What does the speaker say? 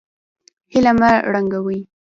هیله مه ړنګوئ